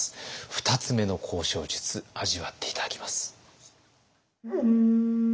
２つ目の交渉術味わって頂きます。